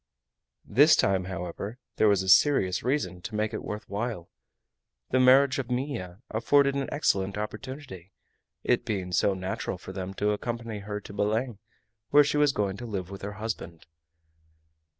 This time, however, there was a serious reason to make it worth while. The marriage of Minha afforded an excellent opportunity, it being so natural for them to accompany her to Belem, where she was going to live with her husband.